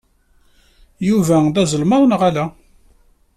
Yuba d azelmaḍ, neɣ ala?